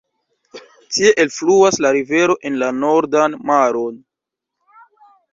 Tie elfluas la rivero en la Nordan Maron.